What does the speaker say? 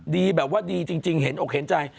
ดีแบบว่าดีจริงเห็นอกเห็นใจ